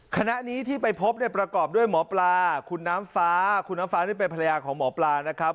คณะนี้ที่ไปพบเนี่ยประกอบด้วยหมอปลาคุณน้ำฟ้าคุณน้ำฟ้านี่เป็นภรรยาของหมอปลานะครับ